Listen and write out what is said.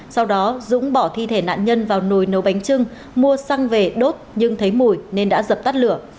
sau đó dũng bỏ thi thể nạn nhân vào nồi nấu bánh trưng mua xăng về đốt nhưng thấy mùi nên đã dập tắt lửa